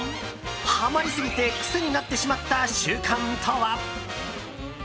ハマりすぎて癖になってしまった習慣とは？